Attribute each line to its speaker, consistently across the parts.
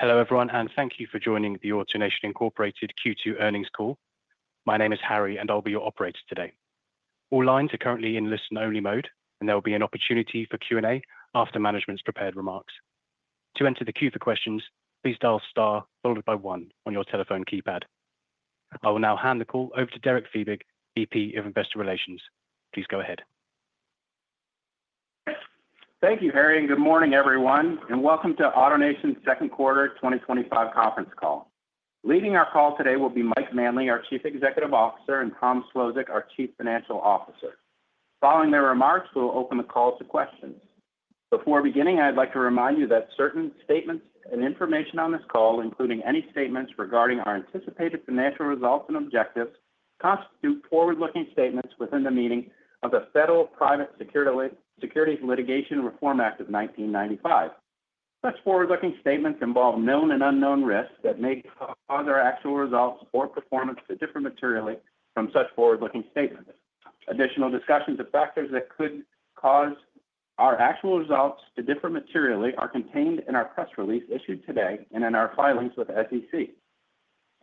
Speaker 1: Hello, everyone, and thank you for joining the AutoNation Incorporated Q2 earnings call. My name is Harry, and I'll be your operator today. All lines are currently in listen only mode and there will be an opportunity for Q and A after management's prepared remarks. I will now hand the call over to Derek Fiebig, VP of Investor Relations. Please go ahead.
Speaker 2: Thank you, Harry, and good morning, everyone, and welcome to AutoNation's second quarter twenty twenty five conference call. Leading our call today will be Mike Manley, our Chief Executive Officer and Tom Slosek, our Chief Financial Officer. Following their remarks, we'll open the call to questions. Before beginning, I'd like to remind you that certain statements and information on this call, including any statements regarding our anticipated financial results and objectives, constitute forward looking statements within the meaning of the Federal Private Securities Litigation Reform Act of 1995. Such forward looking statements involve known and unknown risks that may cause our actual results or performance to differ materially from such forward looking statements. Additional discussions of factors that could cause our actual results to differ materially are contained in our press release issued today and in our filings with the SEC.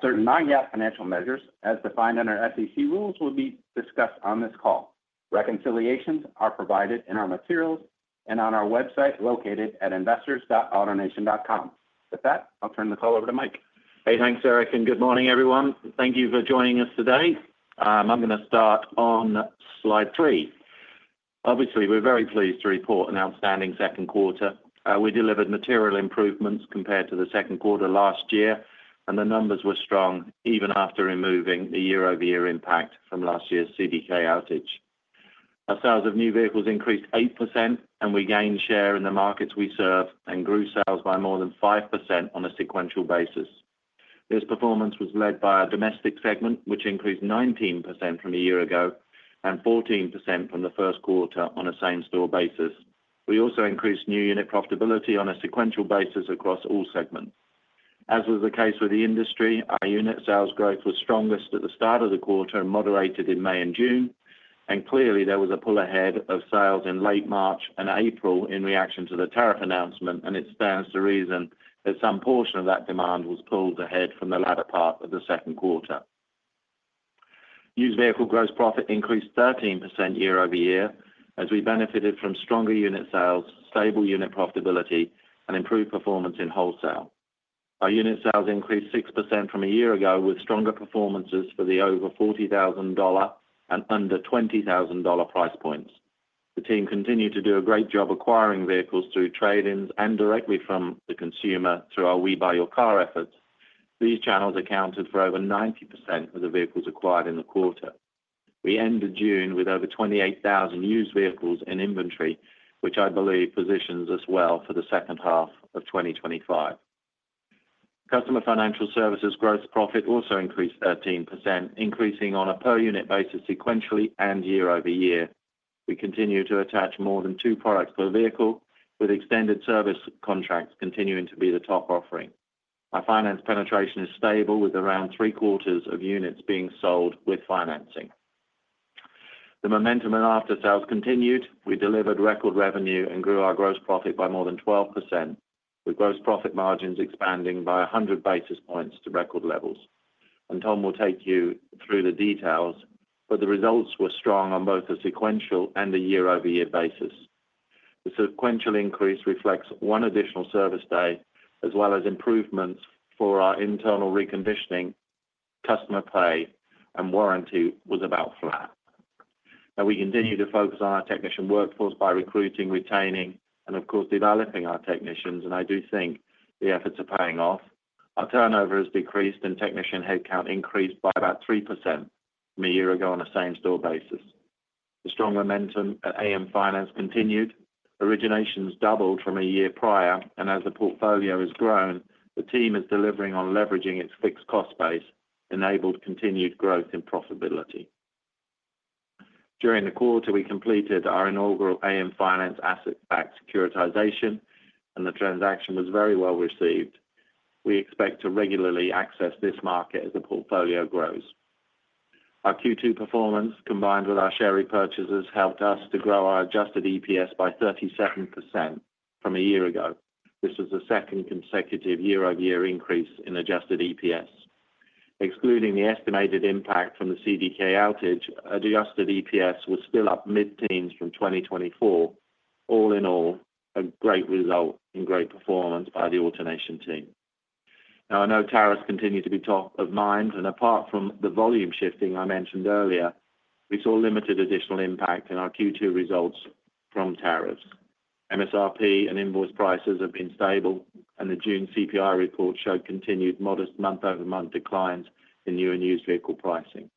Speaker 2: Certain non GAAP financial measures as defined under SEC rules will be discussed on this call. Reconciliations are provided in our materials and on our website located at investors.autonation.com. With that, I'll turn the call over to Mike.
Speaker 3: Hey, thanks, Eric, and good morning, everyone. Thank you for joining us today. I'm going to start on Slide three. Obviously, we're very pleased to report an outstanding second quarter. We delivered material improvements compared to the second quarter last year and the numbers were strong even after removing the year over year impact from last year's CDK outage. Our sales of new vehicles increased 8% and we gained share in the markets we serve and grew sales by more than 5% on a sequential basis. This performance was led by our domestic segment, which increased 19% from a year ago and 14% from the first quarter on a same store basis. We also increased new unit profitability on a sequential basis across all segments. As was the case with the industry, our unit sales growth was strongest at the start of the quarter and moderated in May and June. And clearly, there was a pull ahead of sales in late March and April in reaction to the tariff announcement and it stands to reason that some portion of that demand was pulled ahead from the latter part of the second quarter. Used vehicle gross profit increased 13% year over year as we benefited from stronger unit sales, stable unit profitability and improved performance in wholesale. Our unit sales increased 6% from a year ago with stronger performances for the over $40,000 and under $20,000 price points. The team continued to do a great job acquiring vehicles through trade ins and directly from the consumer through our We Buy Your Car efforts. These channels accounted for over 90% of the vehicles acquired in the quarter. We ended June with over 28,000 used vehicles in inventory, which I believe positions us well for the second half of twenty twenty five. Customer financial services gross profit also increased 13%, increasing on a per unit basis sequentially and year over year. We continue to attach more than two products per vehicle with extended service contracts continuing to be the top offering. Our finance penetration is stable with around three quarters of units being sold with financing. The momentum in after sales continued. We delivered record revenue and grew our gross profit by more than 12% with gross profit margins expanding by 100 basis points to record levels. And Tom will take you through the details, but the results were strong on both the sequential and the year over year basis. The sequential increase reflects one additional service day as well as improvements for our internal reconditioning, customer pay and warranty was about flat. Now we continue to focus on our technician workforce by recruiting, retaining and of course developing our technicians, I do think the efforts are paying off. Our turnover has decreased and technician headcount increased by about 3% from a year ago on a same store basis. The strong momentum at AM Finance continued. Originations doubled from a year prior and as the portfolio has grown, the team is delivering on leveraging its fixed cost base enabled continued growth in profitability. During the quarter, we completed our inaugural AM Finance asset backed securitization and the transaction was very well received. We expect to regularly access this market as the portfolio grows. Our Q2 performance combined with our share repurchases helped us to grow our adjusted EPS by 37% from a year ago. This is the second consecutive year over year increase in adjusted EPS. Excluding the estimated impact from the CDK outage, adjusted EPS was still up mid teens from 2024, all in all a great result and great performance by the automation team. Now I know tariffs continue to be top of mind and apart from the volume shifting I mentioned earlier, we saw limited additional impact in our Q2 results from tariffs. MSRP and invoice prices have been stable and the June CPI report showed continued modest month over month declines in new and used vehicle pricing.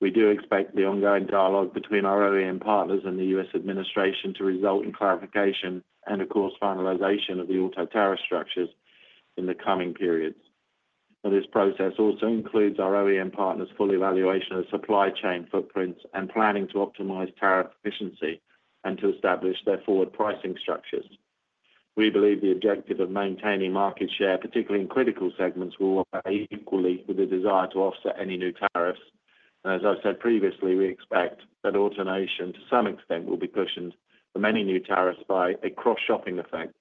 Speaker 3: We do expect the ongoing dialogue between our OEM partners and the U. S. Administration to result in clarification and of course finalization of the auto tariff structures in the coming periods. This process also includes our OEM partners' full evaluation of supply chain footprints and planning to optimize tariff efficiency and to establish their forward pricing structures. We believe the objective of maintaining market share, particularly in critical segments, will operate equally with the desire to offset any new tariffs. And as I've said previously, we expect that automation to some extent will be cushioned from any new tariffs by a cross shopping effect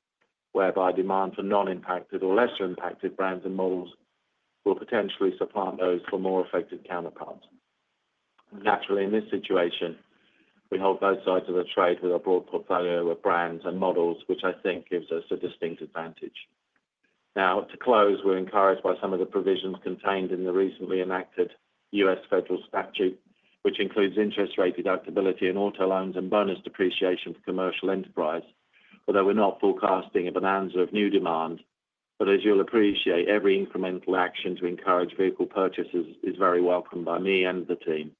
Speaker 3: whereby demand for non impacted or lesser impacted brands and malls will potentially supplant those for more affected counterparts. Naturally, in this situation, we hold both sides of the trade with a broad portfolio of brands and models, which I think gives us a distinct advantage. Now to close, we're encouraged by some of the provisions contained in the recently enacted U. S. Federal Statute, which includes interest rate deductibility and auto loans and bonus depreciation for commercial enterprise, although we're not forecasting a balance of new demand. But as you'll appreciate, every incremental action to encourage vehicle purchases is very welcomed by me and the team.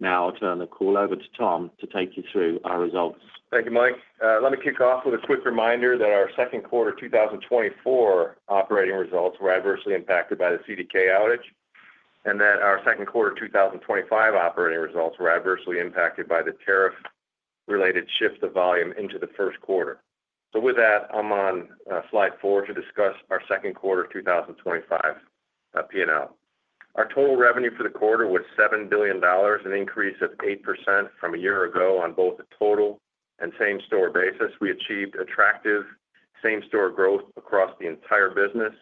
Speaker 3: Now I'll turn the call over to Tom to take you through our results.
Speaker 4: Thank you, Mike. Let me kick off with a quick reminder that our second quarter twenty twenty four operating results were adversely impacted by the CDK outage and that our second quarter twenty twenty five operating results were adversely impacted by the tariff related shift of volume into the first quarter. So with that, I'm on slide four to discuss our second quarter twenty twenty five P and L. Our total revenue for the quarter was $7,000,000,000 an increase of 8% from a year ago on both the total and same store basis. We achieved attractive same store growth across the entire business,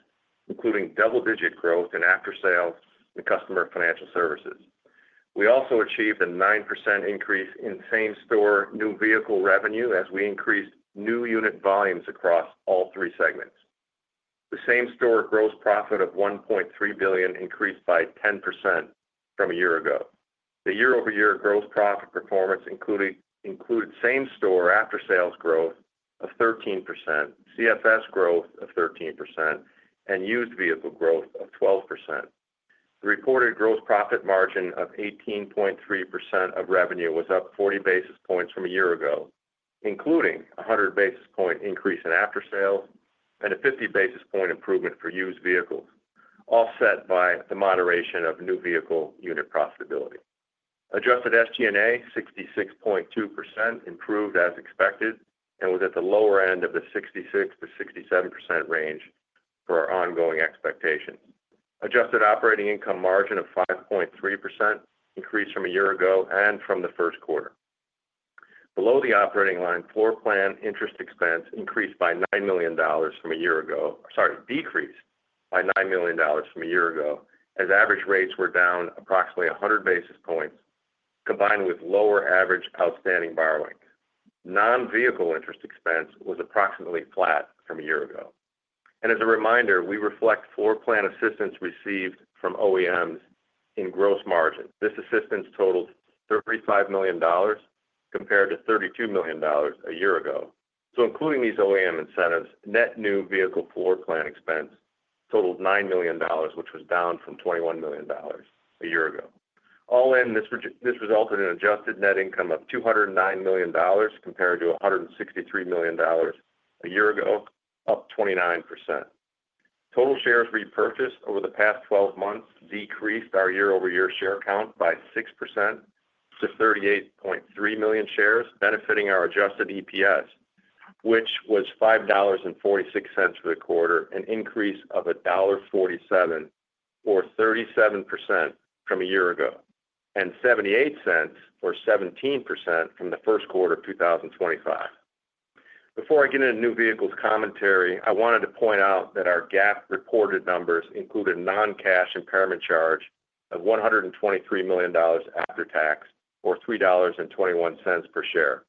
Speaker 4: including double digit growth in after sales and customer financial services. We also achieved percent increase in same store new vehicle revenue as we increased new unit volumes across all three segments. The same store gross profit of $1,300,000,000 increased by 10% from a year ago. The year over year gross profit performance included same store after sales growth of 13%, CFS growth of 13% and used vehicle growth of 12%. The reported gross profit margin of 18.3% of revenue was up 40 basis points from a year ago, including 100 basis point increase in after sales and a 50 basis point improvement for used vehicles, offset by the moderation of new vehicle unit profitability. Adjusted SG and A, 66.2% improved as expected and was at the lower end of the 66% to 67% range for our ongoing expectations. Adjusted operating income margin of 5.3% increased from a year ago and from the first quarter. Below the operating line floor plan interest expense increased by $9,000,000 from a year ago sorry, decreased by $9,000,000 from a year ago as average rates were down approximately 100 basis points combined with lower average outstanding borrowings. Non vehicle interest expense was approximately flat from a year ago. And as a reminder, we reflect floor plan assistance received from OEMs in gross margin. This assistance totaled $35,000,000 compared to $32,000,000 a year ago. So including these OEM incentives, net new vehicle floorplan expense totaled $9,000,000 which was down from $21,000,000 a year ago. All in, this resulted in adjusted net income of $2.00 $9,000,000 compared to $163,000,000 a year ago, up 29%. Total shares repurchased over the past twelve months decreased our year over year share count by 6% to 38,300,000.0 shares benefiting our adjusted EPS, which was $5.46 for the quarter, an increase of $1.47 or 37% from a year ago and $0.78 or 17% from the first quarter of twenty twenty five. Before I get into New Vehicles commentary, I wanted to point out that our GAAP reported numbers include a non cash impairment charge of $123,000,000 after tax or $3.21 per share.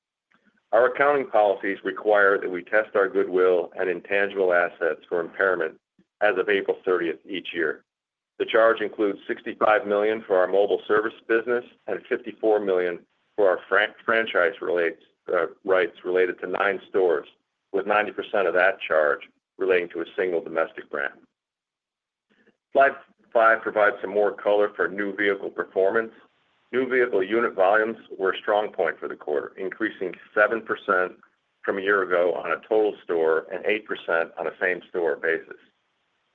Speaker 4: Our accounting policies require that we test our goodwill and intangible assets for impairment as of April 30 each year. The charge includes $65,000,000 for our mobile service business and 54,000,000 for our franchise rights related to nine stores with 90% of that charge relating to a single domestic brand. Slide five provides some more color for new vehicle performance. New vehicle unit volumes were a strong point for the quarter increasing 7% from a year ago on a total store and 8% on a same store basis.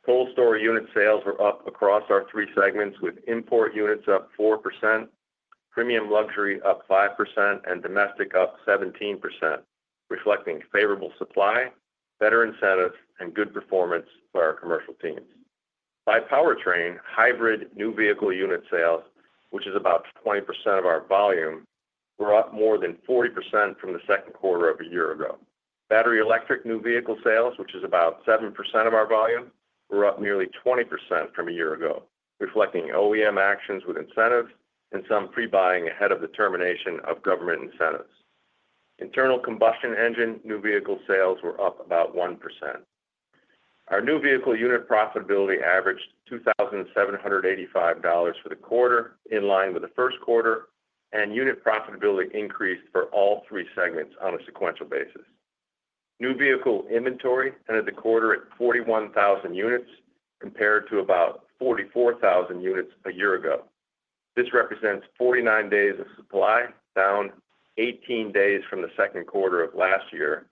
Speaker 4: Full store unit sales were up across our three segments with import units up 4%, premiumluxury up 5% and domestic up 17%, reflecting favorable supply, better incentives and good performance for our commercial teams. By powertrain, hybrid new vehicle unit sales, which is about 20% of our volume, were up more than 40% from the second quarter of a year ago. Battery electric new vehicle sales, which is about 7% of our volume, were up nearly 20% from a year ago, reflecting OEM actions with incentives and some pre buying ahead of the termination of government incentives. Internal combustion engine new vehicle sales were up about 1%. Our new vehicle unit profitability averaged $2,785 for the quarter, in line with the first quarter and unit profitability increased for all three segments on a sequential basis. New vehicle inventory ended the quarter at 41,000 units compared to about 44,000 units a year ago. This represents forty nine days of supply, down eighteen days from the second quarter of last year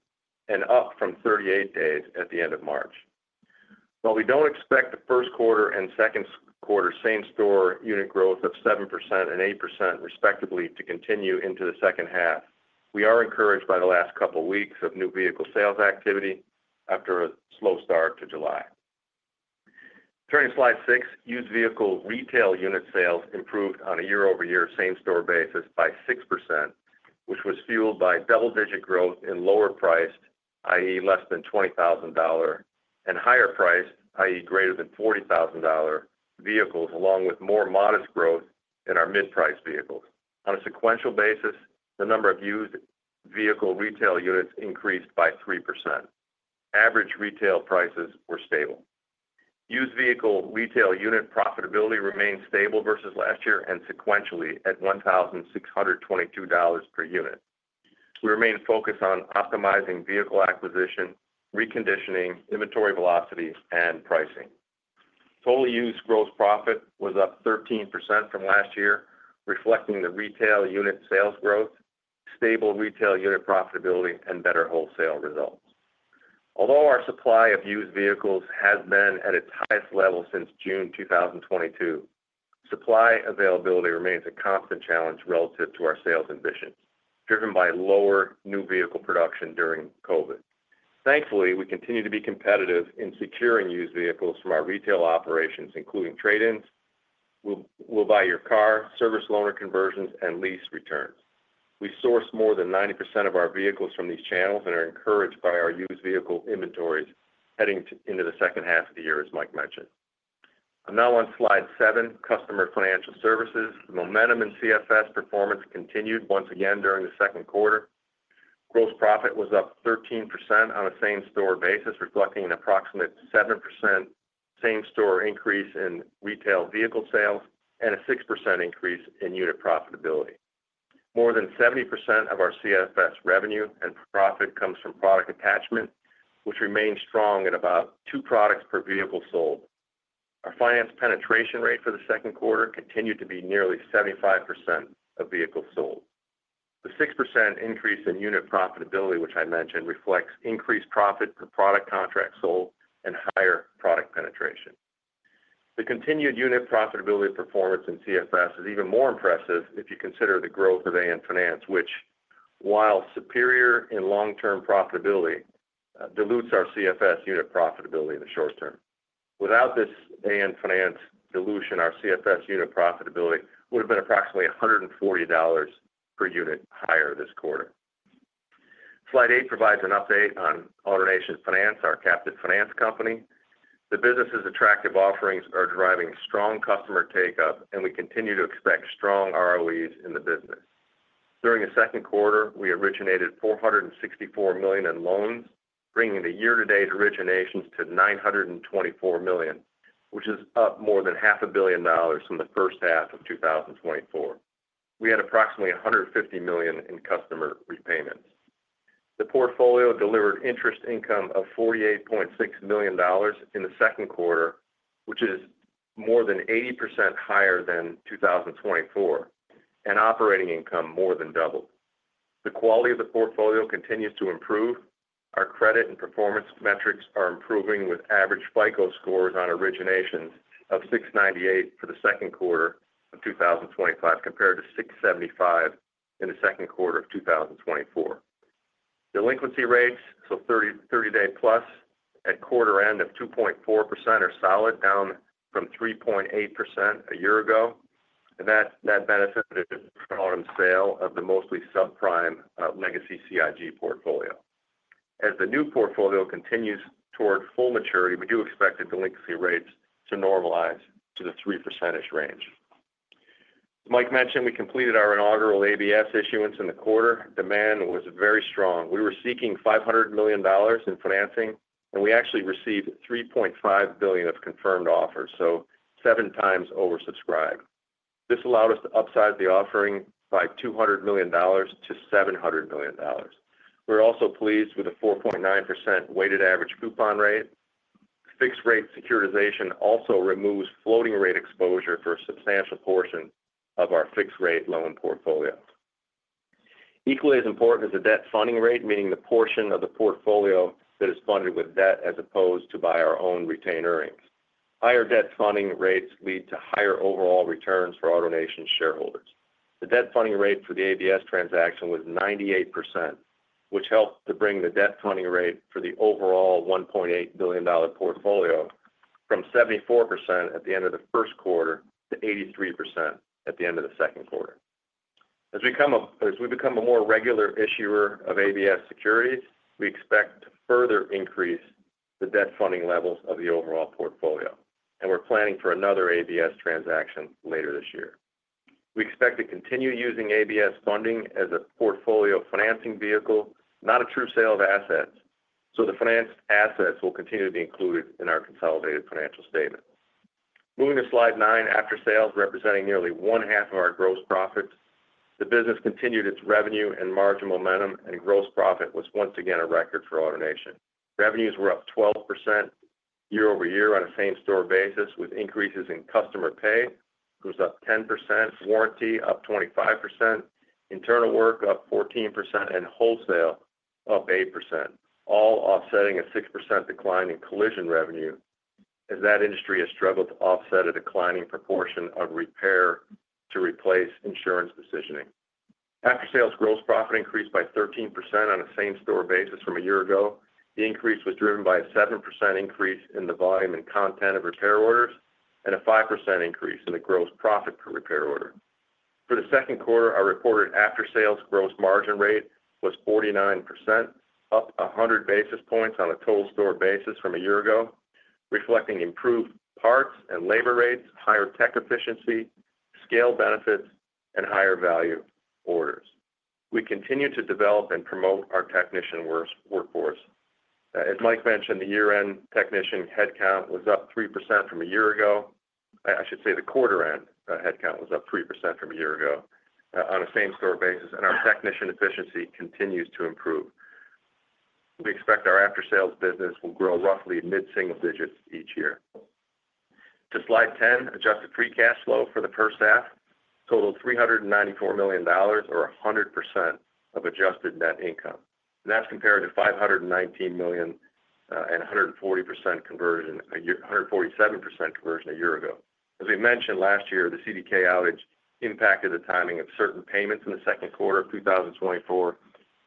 Speaker 4: and up from thirty eight days at the March. While we don't expect the first quarter and second quarter same store unit growth of 78% respectively to continue into the second half, we are encouraged by the last couple of weeks of new vehicle sales activity after a slow start to July. Turning to slide six. Used vehicle retail unit sales improved on a year over year same store basis by 6%, which was fueled by double digit growth in lower priced, I. E. Less than $20,000 and higher priced, I. E. Greater than $40,000 vehicles along with more modest growth in our mid priced vehicles. On a sequential basis, the number of used vehicle retail units increased by 3%. Average retail prices were stable. Used vehicle retail unit profitability remained stable versus last year and sequentially at $16.22 dollars per unit. We remain focused on optimizing vehicle acquisition, reconditioning, inventory velocity and pricing. Total used gross profit was up 13% from last year, reflecting the retail unit sales growth, stable retail unit profitability and better wholesale results. Although our supply of used vehicles has been at its highest level since June 2022, supply availability remains a constant challenge relative to our sales ambition, driven by lower new vehicle production during COVID. Thankfully, we continue to be competitive in securing used vehicles from our retail operations including trade ins, We'll Buy Your Car, service loaner conversions and lease returns. We source more than 90% of our vehicles from these channels and are encouraged by our used vehicle inventories heading into the second half of the year as Mike mentioned. I'm now on Slide seven, Customer Financial Services. Momentum in CFS performance continued once again during the second quarter. Gross profit was up 13% on a same store basis reflecting an approximate 7% same store increase in retail vehicle sales and a 6% increase in unit profitability. More than 70% of our CFS revenue and profit comes from product attachment, which remains strong at about two products per vehicle sold. Our finance penetration rate for the second quarter continued to be nearly 75% of vehicles sold. The 6% increase in unit profitability, which I mentioned, reflects increased profit per product contract sold and higher product penetration. The continued unit profitability performance in CFS is even more impressive if you consider the growth of AN Finance, which, while superior in long term profitability dilutes our CFS unit profitability in the short term. Without this AN Finance dilution, our CFS unit profitability would have been approximately $140 per unit higher this quarter. Slide eight provides an update on AutoNation Finance, our captive finance company. The business' attractive offerings are driving strong customer take up and we continue to expect strong ROEs in the business. During the second quarter, we originated $464,000,000 in loans bringing the year to date originations to $924,000,000 which is up more than $05,000,000,000 from the first half of twenty twenty four. We had approximately $150,000,000 in customer repayments. The portfolio delivered interest income of $48,600,000 in the second quarter, which is more than 80% higher than 2024 and operating income more than doubled. The quality of the portfolio continues to improve. Our credit and performance metrics are improving with average FICO scores on originations of 698 for the 2025 compared to 675 in the second quarter of twenty twenty four. Delinquency rates, so thirty day plus at quarter end of 2.4% are solid down from 3.8% a year ago and that benefited from the sale of the mostly subprime legacy CIG portfolio. As the new portfolio continues toward full maturity, we do expect the delinquency rates to normalize to the 3% -ish range. Mike mentioned, we completed our inaugural ABS issuance in the quarter. Demand was very strong. We were seeking $500,000,000 in financing and we actually received $3,500,000,000 of confirmed offers, so seven times oversubscribed. This allowed us to upsize the offering by $200,000,000 to $700,000,000 We're also pleased with a 4.9% weighted average coupon rate. Fixed rate securitization also removes floating rate exposure for a substantial portion of our fixed rate loan portfolio. Equally as important is the debt funding rate, meaning the portion of the portfolio that is funded with debt as opposed to by our own retained earnings. Higher debt funding rates lead to higher overall returns for AutoNation shareholders. The debt funding rate for the ABS transaction was 98%, which helped to bring the debt funding rate for the overall $1,800,000,000 portfolio from 74% at the end of the first quarter to 83% at the end of the second quarter. As we become a more regular issuer of ABS securities, we expect to further increase the debt funding levels of the overall portfolio and we're planning for another ABS transaction later this year. We expect to continue using ABS funding as a portfolio financing vehicle, not a true sale of assets. So the financed assets will continue to be included in our consolidated financial statement. Moving to slide nine, after sales representing nearly one half of our gross profit, the business continued its revenue and margin momentum and gross profit was once again a record for AutoNation. Revenues were up 12% year over year on a same store basis with increases in customer pay was up 10 warranty up 25% internal work up 14% and wholesale up 8% all offsetting a 6% decline in collision revenue as that industry has struggled to offset a declining proportion of repair to replace insurance decisioning. Aftersales gross profit increased by 13% on a same store basis from a year ago. The increase was driven by a 7% increase in the volume and content of repair orders and a 5% increase in the gross profit per repair order. For the second quarter, our reported after sales gross margin rate was 49, up 100 basis points on a total store basis from a year ago, reflecting improved parts and labor rates, higher tech efficiency, scale benefits and higher value orders. We continue to develop and promote our technician workforce. As Mike mentioned, the year end technician headcount was up three percent from a year ago. I should say the quarter end headcount was up 3% from a year ago on a same store basis and our technician efficiency continues to improve. We expect our after sales business will grow roughly mid single digits each year. To slide 10, adjusted free cash flow for the first half totaled $394,000,000 or 100% of adjusted net income. That's compared to $519,000,000 and 140% conversion 147% conversion a year ago. As we mentioned last year, the CDK outage impacted the timing of certain payments in the second quarter of twenty twenty four,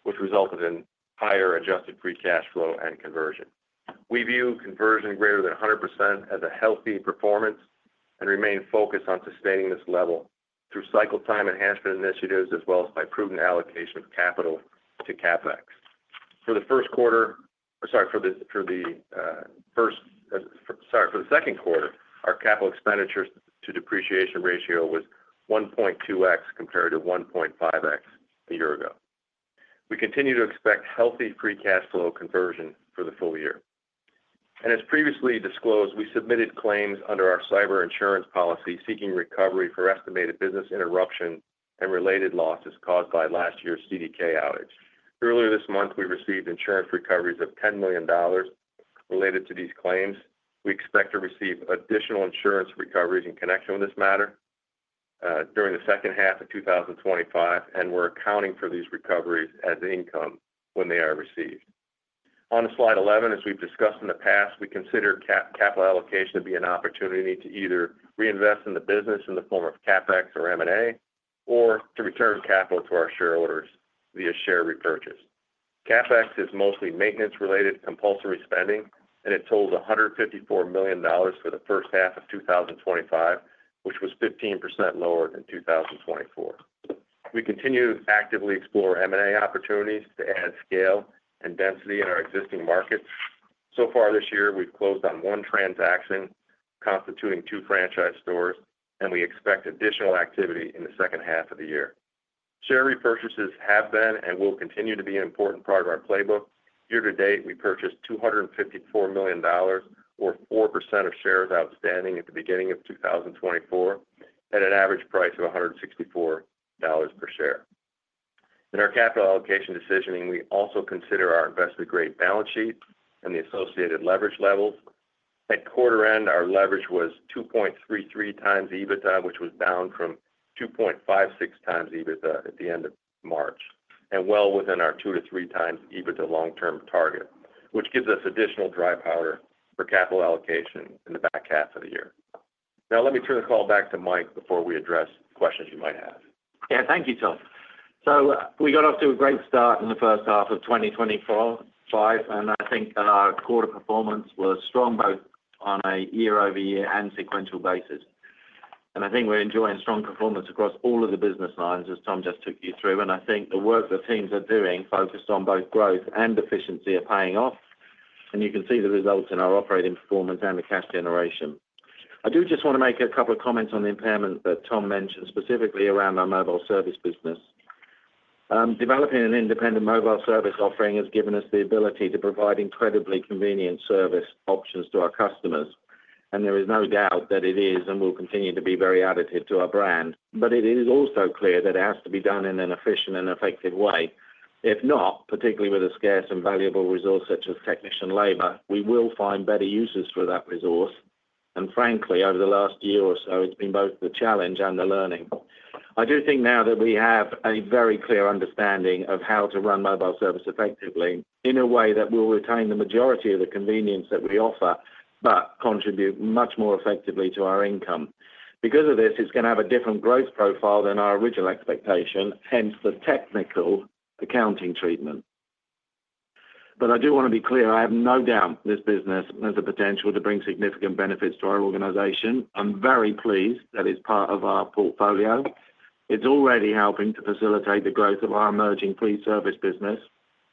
Speaker 4: which resulted in higher adjusted free cash flow and conversion. We view conversion greater than 100% as a healthy performance and remain focused on sustaining this level through cycle time enhancement initiatives as well as by prudent allocation of capital to CapEx. For the first quarter sorry for the second quarter, our capital expenditures to depreciation ratio was 1.2x compared to 1.5x a year ago. We continue to expect healthy free cash flow conversion for the full year. And as previously disclosed, we submitted claims under our cyber insurance policy seeking recovery for estimated business interruption and related losses caused by last year's CDK outage. Earlier this month, we received insurance recoveries of $10,000,000 related to these claims. We expect to receive additional insurance recoveries in connection with this matter during the 2025 and we're accounting for these recoveries as income when they are received. On slide 11, as we've discussed in the past, we consider capital allocation to be an opportunity to either reinvest in the business in the form of CapEx or M and A or to return capital to our shareholders via share repurchase. CapEx is mostly maintenance related compulsory spending and it totaled $154,000,000 for the first half of twenty twenty five, which was 15% lower than 2024. We continue to actively explore M and A opportunities to add scale and density in our existing markets. So far this year, we've closed on one transaction, constituting two franchise stores and we expect additional activity in the second half of the year. Share repurchases have been and will continue to be an important part of our playbook. Year to date, we purchased $254,000,000 or 4% of shares outstanding at the 2024 at an average price of $164 per share. In our capital allocation decisioning, we also consider our investment grade balance sheet and the associated leverage levels. At quarter end, our leverage was 2.33 times EBITDA, which was down from 2.56 times EBITDA at the March and well within our two to three times EBITDA long term target, which gives us additional dry powder for capital allocation in the back half of the year. Now let me turn the call back to Mike before we address questions you might have.
Speaker 3: Yes. Thank you, Tom. So we got off to a great start in the 2025 and I think that our quarter performance was strong both on a year over year and sequential basis. And I think we're enjoying strong performance across all of the business lines as Tom just took you through. I think the work the teams are doing focused on both growth and efficiency are paying off. And you can see the results in our operating performance and the cash generation. I do just want to make a couple of comments on the impairment that Tom mentioned, specifically around our mobile service business. Developing an independent mobile service offering has given us the ability to provide incredibly convenient service options to our customers, and there is no doubt that it is and will continue to be very additive to our brand. But it is also clear that it has to be done in an efficient and effective way. If not, particularly with a scarce and valuable resource such as technician labor, we will find better uses for that resource. And frankly, over the last year or so, it's been both the challenge and the learning. I do think now that we have a very clear understanding of how to run mobile service effectively in a way that will retain the majority of the convenience that we offer but contribute much more effectively to our income. Because of this, it's going to have a different growth profile than our original expectation, hence the technical accounting treatment. But I do want to be clear, I have no doubt this business has the potential to bring significant benefits to our organization. I'm very pleased that it's part of our portfolio. It's already helping to facilitate the growth of our emerging fleet service business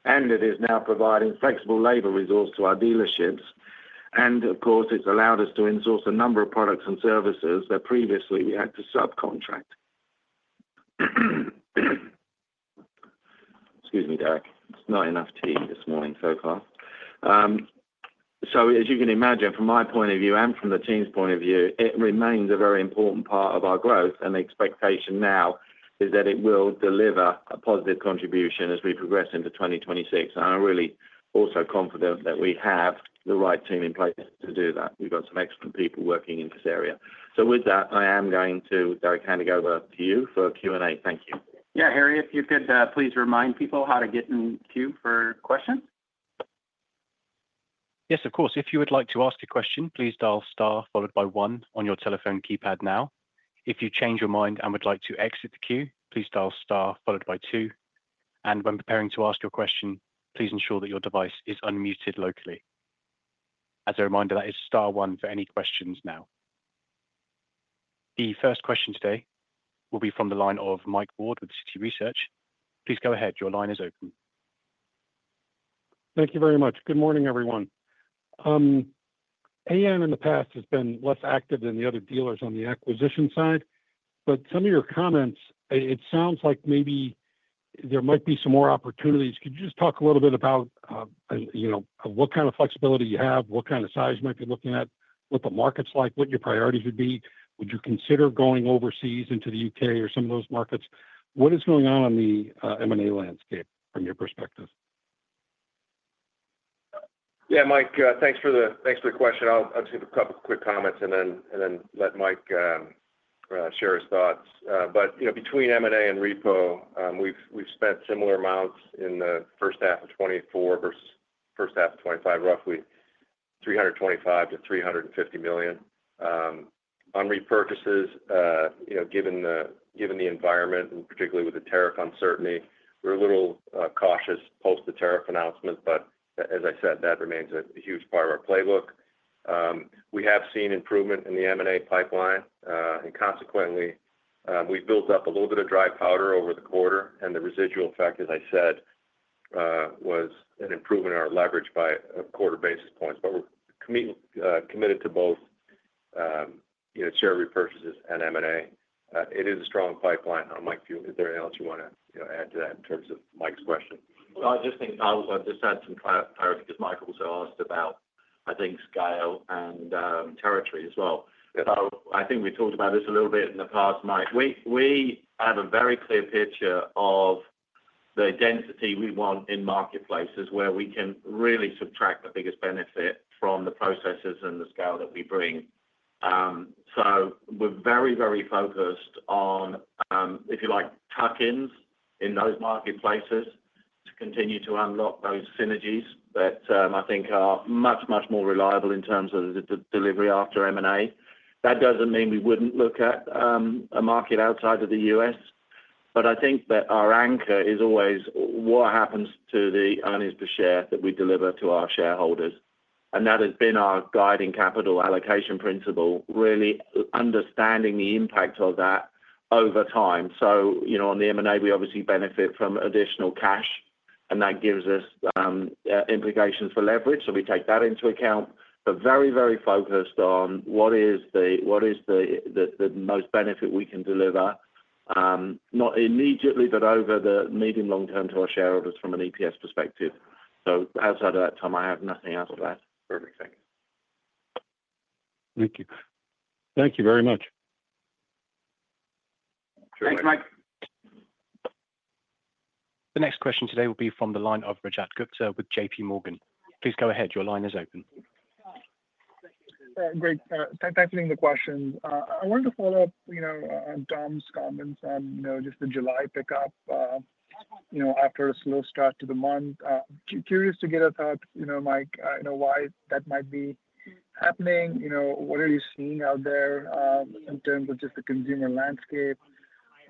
Speaker 3: and it is now providing flexible labor resource to our dealerships. And of course, it's allowed us to in source a number of products and services that previously we had to subcontract. Excuse me, Derek. It's not enough tea this morning so far. So as you can imagine, from my point of view and from the team's point of view, it remains a very important part of our growth. And the expectation now is that it will deliver a positive contribution as we progress into 2026. And I'm really also confident that we have the right team in place to do that. We've got some excellent people working in this area. So with that, I am going to Derek Handig over to you for Q and A. Thank you.
Speaker 2: Harry, if you could please remind people how to get in queue for questions.
Speaker 1: Yes, of course. Session. The first question today will be from the line of Mike Ward with Citi Research. Please go ahead. Your line is open.
Speaker 5: Thank you very much. Good morning, everyone. AM in the past has been less active than the other dealers on the acquisition side. But some of your comments, it sounds like maybe there might be some more opportunities. Could you just talk a little bit about what kind of flexibility you have? What kind of size you might be looking at? What the market is like? What your priorities would be? Would you consider going overseas into The U. K. Or some of those markets? What is going on in the M and A landscape from your perspective?
Speaker 4: Yes, Mike. Thanks the question. I'll give a couple of quick comments and then let Mike share his thoughts. But between M and A and repo, we've spent similar amounts in the '24 versus '25 roughly $325,000,000 to $350,000,000 On repurchases, given the environment and particularly with the tariff uncertainty, we're a little cautious post the tariff announcement. But as I said, that remains a huge part of our playbook. We have seen improvement in the M and A pipeline. And consequently, we've built up a little bit of dry powder over the quarter and the residual effect, as I said, was an improvement in our leverage by a quarter basis points. But we're committed to both, you know, share repurchases and m and a. It is a strong pipeline. Mike, is there anything else you wanna, you know, add to that in terms of Mike's question?
Speaker 3: Well, I just think I'll just add some clarity because Michael was asked about, I think, scale and territory as well. I think we talked about this a little bit in the past, Mike. We have a very clear picture of the density we want in marketplaces where we can really subtract the biggest benefit from the processes and the scale that we bring. So we're very, very focused on, if you like, tuck ins in those marketplaces to continue to unlock those synergies that I think are much, much more reliable in terms of the delivery after M and A. That doesn't mean we wouldn't look at a market outside of The U. S, but I think that our anchor is always what happens to the earnings per share that we deliver to our shareholders. And that has been our guiding capital allocation principle, really understanding the impact of that over time. So on the M and A, we obviously benefit from additional cash and that gives us implications for leverage. So we take that into account. But very, very focused on what is the most benefit we can deliver, not immediately but over the medium, long term to our shareholders from an EPS perspective. So outside of that time, I have nothing else to add.
Speaker 4: Perfect. Thank you.
Speaker 5: Thank you very much.
Speaker 3: Thanks, Mike.
Speaker 1: The next question today will be from the line of Rajat Gupta with JPMorgan. Please go ahead. Your line is open.
Speaker 6: Great. Thanks for taking the questions. I wanted to follow-up on Tom's comments on just the July pickup after a slow start to the month. Curious to get a thought, Mike, why that might be happening? What are you seeing out there in terms of just the consumer landscape?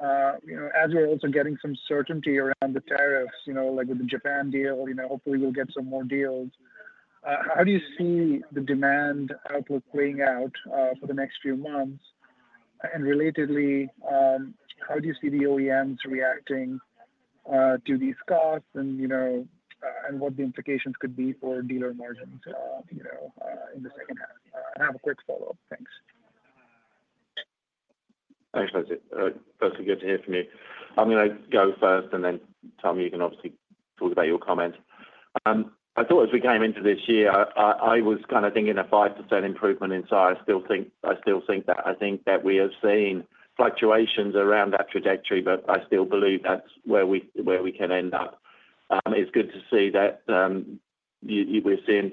Speaker 6: As we're also getting some certainty around the tariffs, like with the Japan deal, hopefully, we'll get some more deals. How do you see the demand outlook playing out for the next few months? And relatedly, how do you see the OEMs reacting to these costs and what the implications could be for dealer margins in the second half? I have a quick follow-up. Thanks.
Speaker 3: Thanks, Jose. Firstly, good to hear from you. I'm going go first and then, Tom, you can obviously talk about your comments. I thought as we came into this year, I was kind of thinking a 5% improvement in size. I still think that I think that we have seen fluctuations around that trajectory, but I still believe that's where we can end up. It's good to see that we're seeing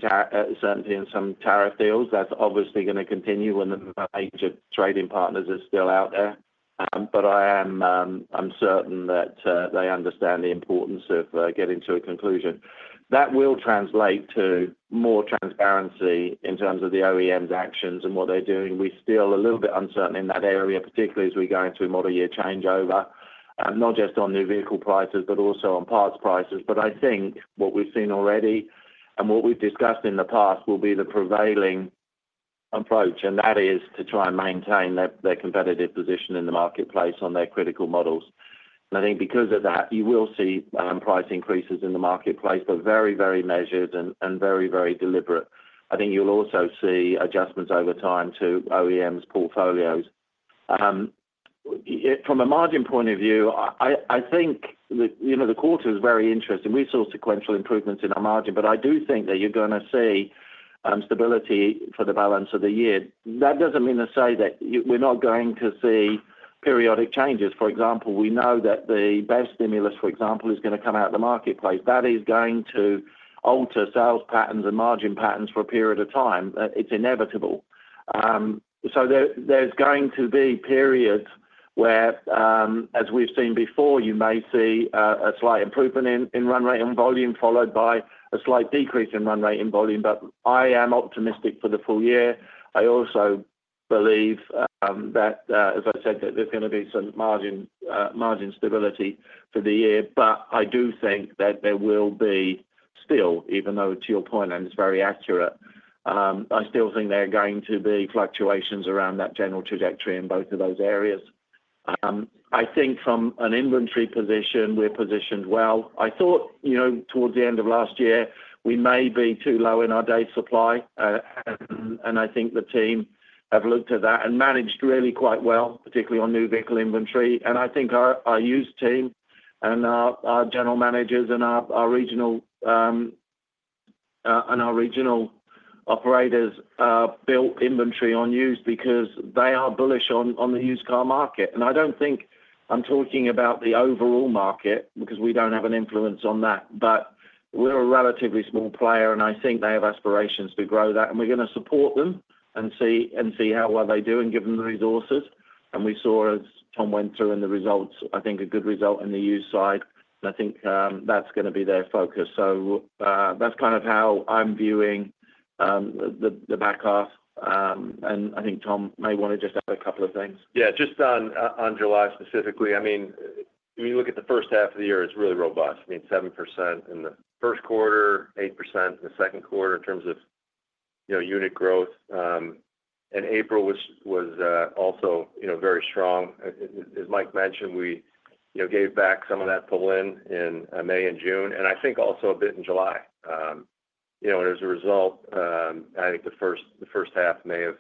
Speaker 3: certainly in some tariff deals. That's obviously going to continue when the major trading partners are still out there. But I am uncertain that they understand the importance of getting to a conclusion. That will translate to more transparency in terms of the OEMs actions and what they're doing. We still a little bit uncertain in that area, particularly as we go into a model year changeover, not just on new vehicle prices, but also on parts prices. But I think what we've seen already and what we've discussed in the past will be the prevailing approach and that is to try and maintain their competitive position in the marketplace on their critical models. And I think because of that, you will see price increases in the marketplace, but very, very measured and very, very deliberate. I think you'll also see adjustments over time to OEMs portfolios. From a margin point of view, I think the quarter is very interesting. We saw sequential improvements in our margin, but I do think that you're going to see stability for the balance of the year. That doesn't mean to say that we're not going to see periodic changes. For example, we know that the best stimulus, for example, is going to come out of the marketplace. That is going to alter sales patterns and margin patterns for a period of time. It's inevitable. So there's going to be periods where, as we've seen before, you may see a slight improvement in run rate and volume followed by a slight decrease in run rate and volume. But I am optimistic for the full year. I also believe that, as I said, that there's going to be some margin stability for the year. But I do think that there will be still, even though to your point and it's very accurate, I still think there are going to be fluctuations around that general trajectory in both of those areas. I think from an inventory position, we're positioned well. I thought towards the end of last year, we may be too low in our day supply. And I think the team have looked at that and managed really quite well, particularly on new vehicle inventory. And I think our used team and our general managers and our regional operators built inventory on used because they are bullish on the used car market. And I don't think I'm talking about the overall market because we don't have an influence on that, but we're a relatively small player and I think they have aspirations to grow that and we're going to support them and see how well they do and give them the resources. And we saw, as Tom went through in the results, I think a good result in the used side. I think that's going to be their focus. So that's kind of how I'm viewing the back half. And I think Tom may want to just add a couple of things.
Speaker 4: Yes. Just on July specifically, I mean, we look at the first half of the year, it's really robust. I mean, 7% in the first quarter, 8% in the second quarter in terms of unit growth. And April was also very strong. As Mike mentioned, we you know, gave back some of that pull in in May and June and I think also a bit in July. You know, and as a result, I think the first the first half may have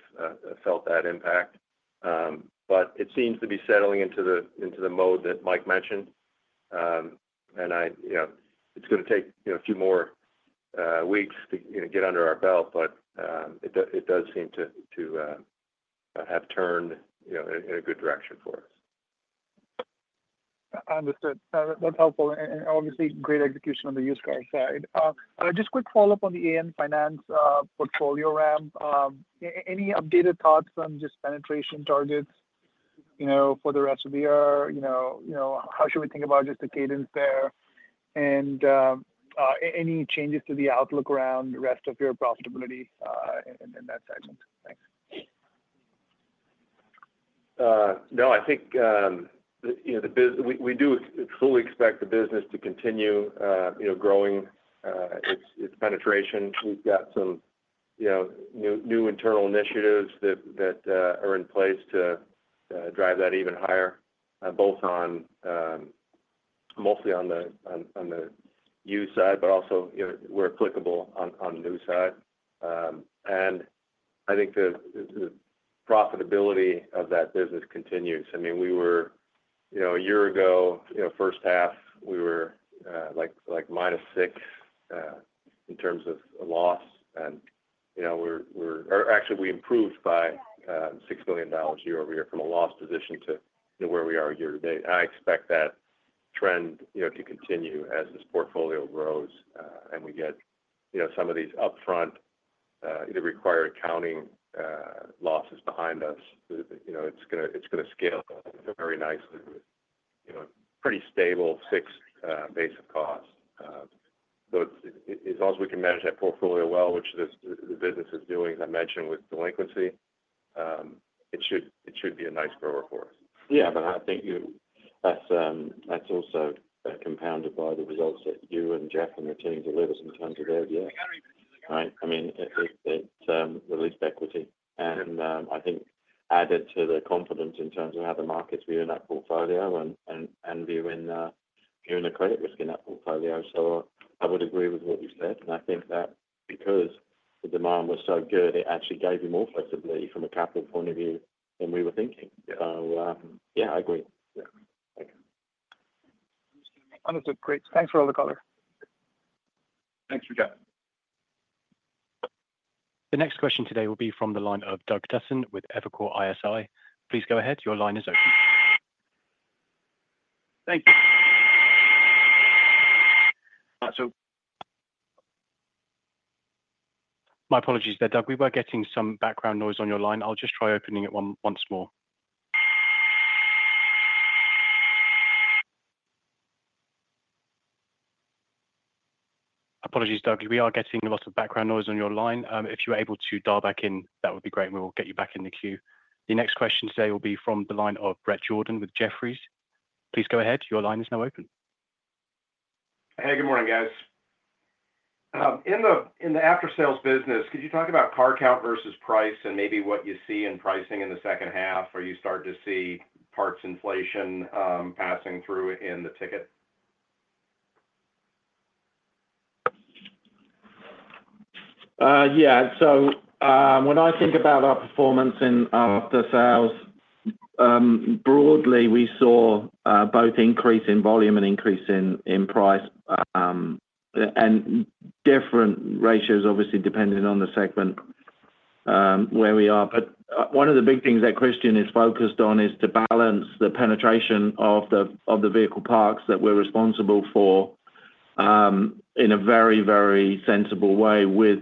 Speaker 4: felt that impact. But it seems to be settling into the into the mode that Mike mentioned. And I you know, it's gonna take, you know, a few more weeks to, you know, get under our belt, but it it does seem to to have turned, you know, in good direction for us.
Speaker 6: Understood. That's helpful. And and obviously, great execution on the used car side. Just quick follow-up on the AM finance, portfolio ramp. Any updated thoughts on just penetration targets, you know, for the rest of the year? You know you know, how should we think about just the cadence there? And any changes to the outlook around the rest of your profitability in in that segment? Thanks.
Speaker 4: No. I think we do fully expect the business to continue growing its penetration. We've got some new internal initiatives that are in place to drive that even higher both on mostly on the used side, but also where applicable on the new side. And I think the profitability of that business continues. Mean, we were a year ago, first half, were like minus six in terms of loss. We're we're or And actually, we improved by $6,000,000 year over year from a loss position to where we are year to date. I expect that trend to continue as this portfolio grows and we get some of these upfront either required accounting losses behind us, it's to scale very nicely with pretty stable fixed base of cost. But as long as we can manage that portfolio well, which this the business is doing, as I mentioned, with delinquency, it should it should be a nice grower for us.
Speaker 3: Yeah. But I think you that's that's also compounded by the results that you and Jeff and your team delivers in terms of their view. Right? I mean, it it it released equity. And I think added to the confidence in terms of how the markets view in that portfolio and and and viewing viewing the credit risk in that portfolio. So I would agree with what you said. And I think that because the demand was so good, it actually gave you more flexibility from a capital point of view than we were thinking. So yes, I agree.
Speaker 6: Understood. Great. Thanks for all the color.
Speaker 4: Thanks, Vijay.
Speaker 1: The next question today will be from the line of Doug Tasson with Evercore ISI. Please go ahead. Your line is open.
Speaker 7: Thank you.
Speaker 1: So my apologies there, Doug. We were getting some background noise on your line. I'll just try opening it one once more. Apologies, Doug. We are getting a lot of background noise on your line. If you're able to dial back in, that would be great. We will get you back in the queue. The next question today will be from the line of Bret Jordan with Jefferies. Please go ahead. Your line is now open.
Speaker 8: Hey, good morning guys. In the aftersales business, could you talk about car count versus price and maybe what you see in pricing in the second half? Are you starting to see parts inflation passing through in the ticket?
Speaker 3: Yes. So when I think about our performance in the sales, broadly we saw both increase in volume and increase in price and different ratios obviously depending on the segment where we are. But one of the big things that Christian is focused on is to balance the penetration of the vehicle parks that we're responsible for in a very, very sensible way with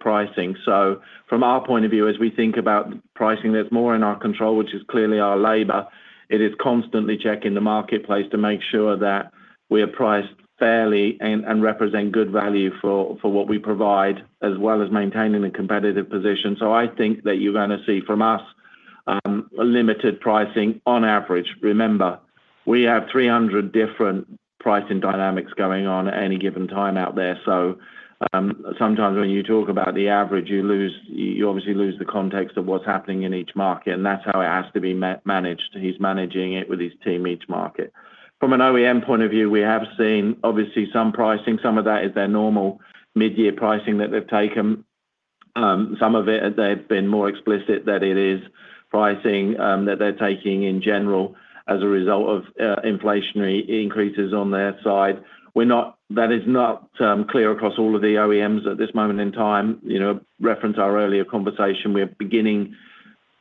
Speaker 3: pricing. So from our point of view as we think about pricing that's more in our control, which is clearly our labor, it is constantly checking the marketplace to make sure that we are priced fairly and represent good value for what we provide as well as maintaining a competitive position. So I think that you're going to see from us a limited pricing on average. Remember, we have 300 different pricing dynamics going on at any given time out there. So sometimes when you talk about the average, you lose you obviously lose the context of what's happening in each market and that's how it has to be managed. He's managing it with his team each market. From an OEM point of view, we have seen obviously some pricing. Some of that is their normal midyear pricing that they've taken. Some of it they've been more explicit that it is pricing that they're taking in general as a result of inflationary increases on their side. We're not that is not clear across all of the OEMs at this moment in time. Reference our earlier conversation, we are beginning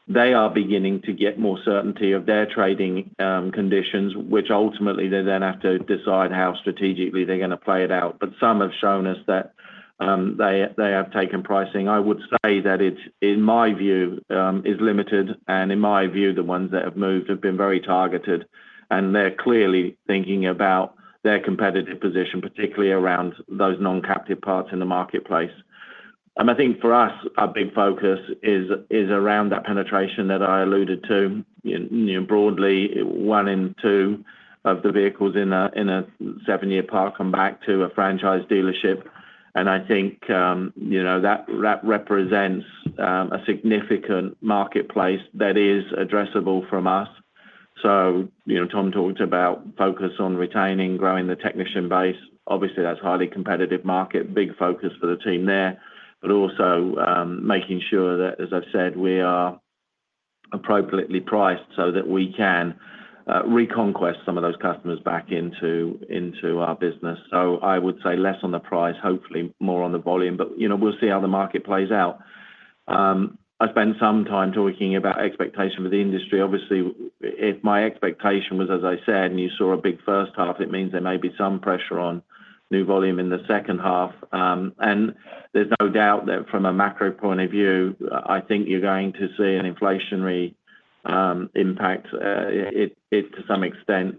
Speaker 3: they are beginning to get more certainty of their trading conditions, which ultimately they then have to decide how strategically they're going to play it out. But some have shown us that they have taken pricing. I would say that it's in my view is limited. And in my view the ones that have moved have been very targeted. And they're clearly thinking about their competitive position, particularly around those non captive parts in the marketplace. And I think for us, our big focus is around that penetration that I alluded to broadly one and two of the vehicles in a seven year park come back to a franchise dealership. And I think represents a significant marketplace that is addressable from us. So Tom talked about focus on retaining, growing the technician base. Obviously, that's highly competitive market, big focus for the team there, but also making sure that, as I've said, we are appropriately priced so that we can reconquest some of those customers back into our business. So I would say less on the price, hopefully more on the volume. But we'll see how the market plays out. I spent some time talking about expectation with the industry. Obviously, if my expectation was as I said and you saw a big first half, it means there may be some pressure on new volume in the second half. And there's no doubt that from a macro point of view, I think you're going to see an inflationary impact. It to some extent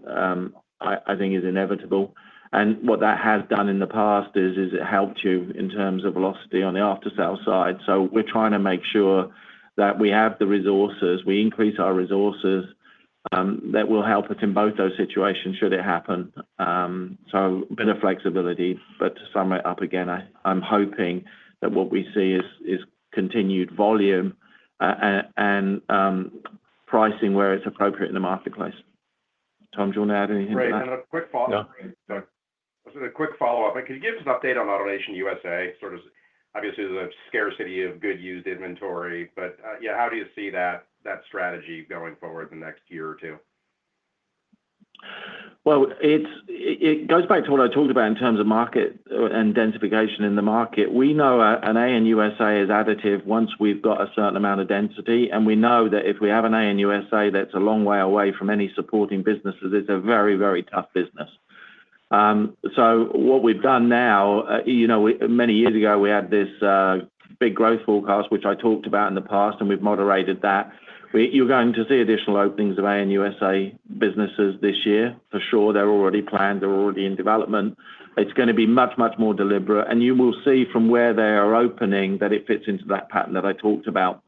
Speaker 3: I think is inevitable. And what that has done in the past is it helped you in terms of velocity on the aftersales side. So we're trying to make sure that we have the resources. We increase our resources that will help us in both those situations should it happen. So bit of flexibility. But to sum it up again, I'm hoping that what we see is continued volume and pricing where it's appropriate in the marketplace.
Speaker 4: Tom, do want add anything Great.
Speaker 7: A quick follow-up. Can you give us an update on AutoNation USA? Obviously, a scarcity of good used inventory. But how do you see that strategy going forward in the next year or two?
Speaker 3: Well, goes back to what I talked about in terms of market and densification in the market. We know an ANUSA is additive once we've got a certain amount of density. And we know that if we have an ANUSA that's a long way away from any supporting businesses. It's a very, very tough business. So what we've done now many years ago we had this big growth forecast which I talked about in the past and we've moderated that. You're going to see additional openings of Aon USA businesses this year. For sure, they're already planned. They're already in development. It's going to be much, much more deliberate. And you will see from where they are opening that it fits into that pattern that I talked about.